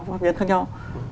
pháp nhân khác nhau